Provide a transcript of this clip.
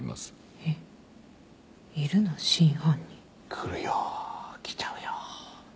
来るよ来ちゃうよ。